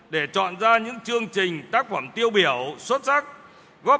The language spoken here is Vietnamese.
để chọn ra những chương trình tác phẩm tiêu biểu xuất sắc